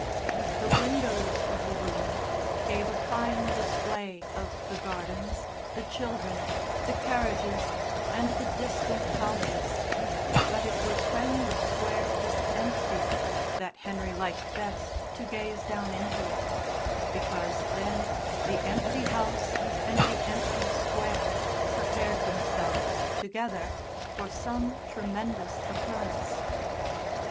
The windows of the room gave a fine display of the gardens, the children, the carriages, and the distant houses, but it was when the Square was empty that Henry liked best to gaze down into it, because then the empty house and the empty square prepared themselves together for some tremendous occurrence.